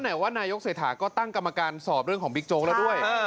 ไหนว่านายกเศรษฐาก็ตั้งกรรมการสอบเรื่องของบิ๊กโจ๊กแล้วด้วย